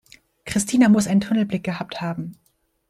Christina muss einen Tunnelblick gehabt haben.